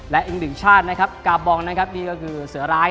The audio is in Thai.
และอีกหนึ่งชาติกาบองนี่ก็คือเสือร้าย